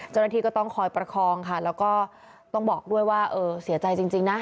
เจ้าหน้าที่ก็ต้องคอยประคองค่ะแล้วก็ต้องบอกด้วยว่าเออเสียใจจริงนะ